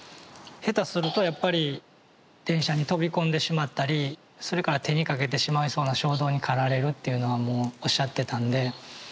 下手するとやっぱり電車に飛び込んでしまったりそれから手にかけてしまいそうな衝動に駆られるっていうのはもうおっしゃってたんで。